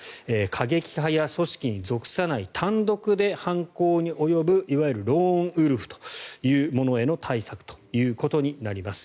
過激派や組織に属さない単独で犯行に及ぶいわゆるローンウルフというものへの対策ということになります。